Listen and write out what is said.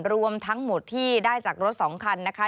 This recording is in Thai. รวมทั้งหมดที่ได้จากรถ๒คันนะคะ